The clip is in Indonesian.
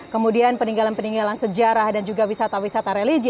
kemudian peninggalan peninggalan sejarah dan juga wisata wisata religi